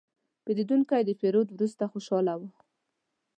پیرودونکی د پیرود وروسته خوشاله و.